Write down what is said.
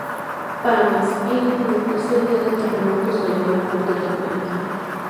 Para más inri, en el tercer día de terremotos cayó una fuerte tormenta.